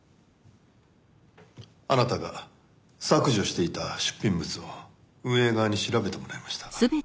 あなたが削除していた出品物を運営側に調べてもらいました。